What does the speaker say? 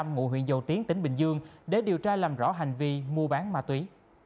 ngụ huyện dầu tiến tỉnh bình dương để điều tra làm rõ hành vi mua bán ma túy